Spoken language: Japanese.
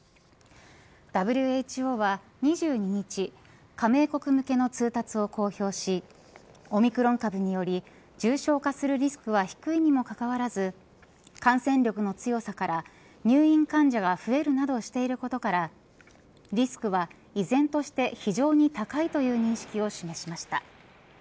ＷＨＯは２２日加盟国向けの通達を公表しオミクロン株により重症化するリスクは低いにもかかわらず感染力の強さから入院患者が増えるなどしていることからリスクは依然として非常に高いという認識を示しました。